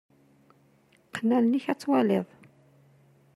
Qqen allen-ik ad twaliḍ.